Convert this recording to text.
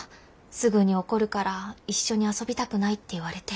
すぐに怒るから一緒に遊びたくない」って言われて。